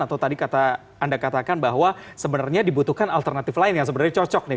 atau tadi anda katakan bahwa sebenarnya dibutuhkan alternatif lain yang sebenarnya cocok nih